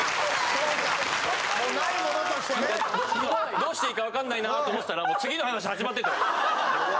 どうしていいか分かんないなぁと思ってたらもう次の話始まってて。